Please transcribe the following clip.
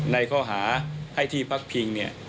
ในข้อหาให้ที่พักพิงเนี่ย